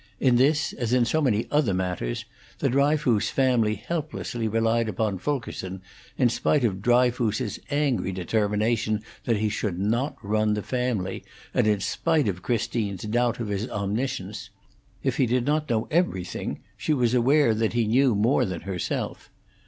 In this, as in so many other matters, the Dryfoos family helplessly relied upon Fulkerson, in spite of Dryfoos's angry determination that he should not run the family, and in spite of Christine's doubt of his omniscience; if he did not know everything, she was aware that he knew more than herself.